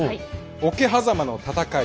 桶狭間の戦い